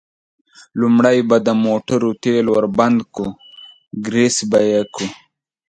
لومړی به د موټرو تېل ور بدل کړو، ګرېس به یې کړو.